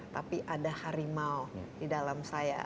tapi ada harimau di dalam saya